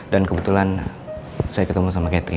ya kok bisa gak ada country